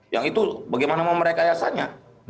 yang itu bagaimana mau mereka ayasanya